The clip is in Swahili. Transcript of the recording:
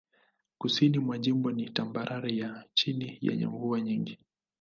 Kusini mwa jimbo ni tambarare ya chini yenye mvua nyingi.